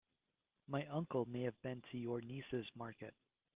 My uncle may have been to your niece's market.